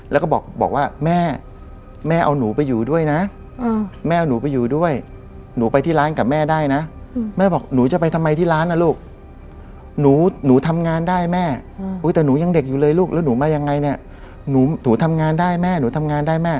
อันนี้ที่คุณน้าเขาเล่าให้ฟัง